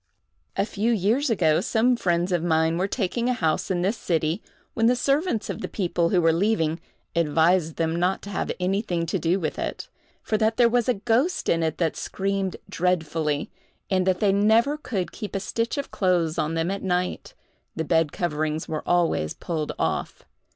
A few years ago, some friends of mine were taking a house in this city, when the servants of the people who were leaving advised them not to have anything to do with it, for that there was a ghost in it that screamed dreadfully, and that they never could keep a stitch of clothes on them at night—the bed coverings were always pulled off.